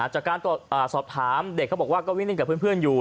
จากการสอบถามเด็กเขาบอกว่าก็วิ่งเล่นกับเพื่อนอยู่